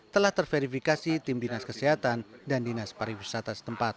telah terverifikasi tim dinas kesehatan dan dinas pariwisata setempat